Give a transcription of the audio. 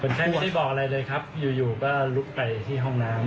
แทบไม่ได้บอกอะไรเลยครับอยู่ก็ลุกไปที่ห้องน้ำ